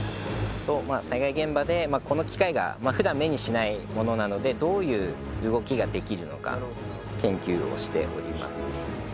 災害現場でこの機械がふだん目にしないものなのでどういう動きができるのか研究をしております